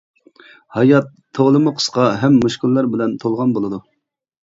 ھايات تولىمۇ قىسقا ھەم مۈشكۈللەر بىلەن تولغان بولىدۇ.